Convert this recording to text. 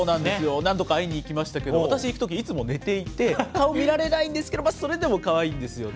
何度か会いに行きましたけど、私行くときいつも寝ていて、顔見られないんですけど、それでもかわいいんですよね。